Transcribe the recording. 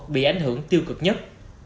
bị ảnh hưởng tiêu cực nhất